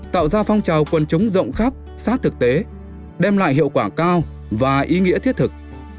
tạo ra phong trào quân chúng rộng khắp sát thực tế đem lại hiệu quả cao và ý nghĩa thiết thực